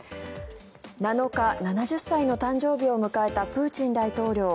７日、７０歳の誕生日を迎えたプーチン大統領。